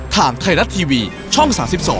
ทางไทยรัฐทีวีช่อง๓๒